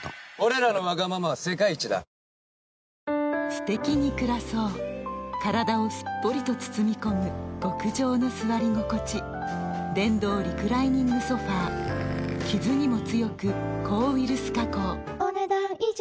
すてきに暮らそう体をすっぽりと包み込む極上の座り心地電動リクライニングソファ傷にも強く抗ウイルス加工お、ねだん以上。